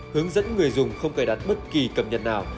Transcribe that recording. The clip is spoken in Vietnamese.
hướng dẫn người dùng không cài đặt bất kỳ cầm nhận nào